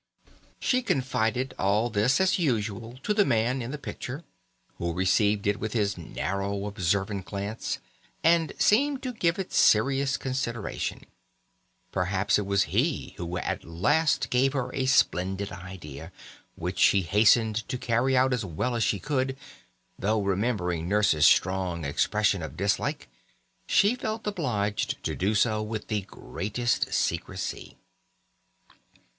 She confided all this as usual to the man in the picture, who received it with his narrow observant glance and seemed to give it serious consideration. Perhaps it was he who at last gave her a splendid idea, which she hastened to carry out as well as she could, though remembering Nurse's strong expression of dislike she felt obliged to do so with the greatest secrecy.